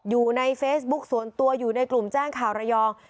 อยู่ในเฟซบุ๊คส่วนตัวอยู่ในกลุ่มแจ้งข่าวระยอง